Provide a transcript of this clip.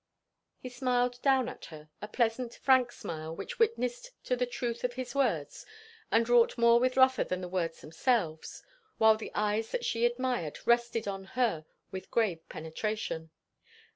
He smiled down at her, a pleasant, frank smile, which witnessed to the truth of his words and wrought more with Rotha than the words themselves; while the eyes that she admired rested on her with grave penetration.